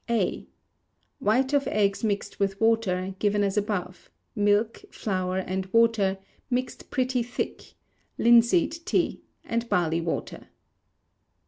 A. White of eggs mixed with water, given as above; milk; flour and water, mixed pretty thick; linseed tea; and barley water.